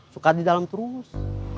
suka di dalam terus